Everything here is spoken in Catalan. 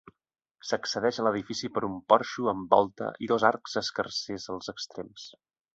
S'accedeix a l'edifici per un porxo amb volta i dos arcs escarsers als extrems.